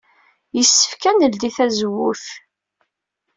Yessefk ad neldey tazewwut?